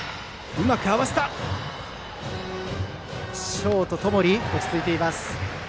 ショートの友利落ち着いています。